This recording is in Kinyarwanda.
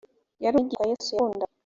yari umwigishwa yesu yakundaga